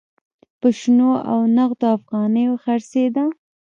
په شنو او نغدو افغانیو خرڅېده.